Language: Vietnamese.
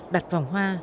đặt vòng hoa